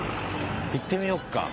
行ってみようか。